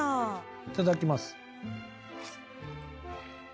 いただきます。